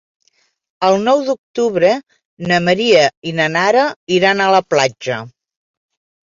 El nou d'octubre na Maria i na Nara iran a la platja.